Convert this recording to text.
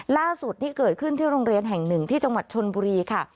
ล่าสุดนี่เกิดขึ้นที่โรงเรียนแห่งหนึ่งที่จังหวัดชนบุรีค่ะ